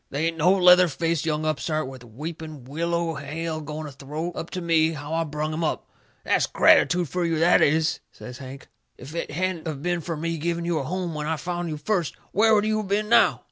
They ain't no leather faced young upstart with weepin' willow hair going to throw up to me how I brung him up. That's gratitood fur you, that is!" says Hank. "If it hadn't of been fur me giving you a home when I found you first, where would you of been now?"